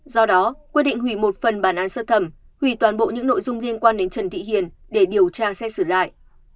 do đó quyết định hủy một phần bản án sơ thẩm hủy toàn bộ những nội dung liên quan đến trần thị hiền để điều tra xét xử lại